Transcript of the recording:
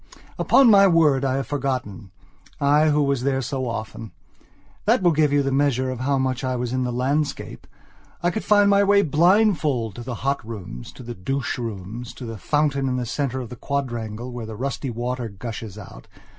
Upon my word I have forgotten, I who was there so often. That will give you the measure of how much I was in the landscape. I could find my way blindfolded to the hot rooms, to the douche rooms, to the fountain in the centre of the quadrangle where the rusty water gushes out.